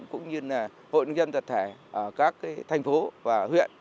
cũng như hội nhân dân tật thể ở các thành phố và huyện